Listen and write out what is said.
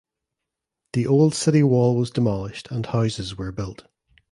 The old city wall was demolished and houses were built.